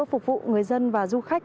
phục vụ người dân và du khách